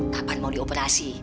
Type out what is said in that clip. kapan mau di operasi